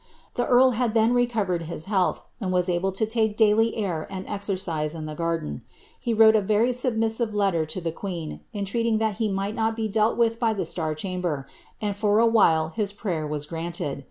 The earl had then recovered his health, and was able to take daily air and exercise in the garden. He wrote a very submiuive letter to the queen, entreatinff that he might not be dealt with by the Star Chamber, and for a while his prayer was granted.